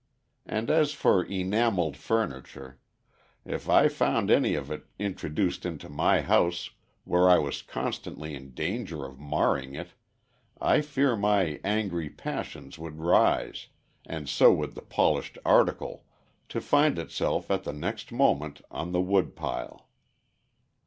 And as for "enameled" furniture: if I found any of it introduced into my house where I was constantly in danger of marring it, I fear my "angry passions would rise," and so would the polished article, to find itself at the next moment on the woodpile.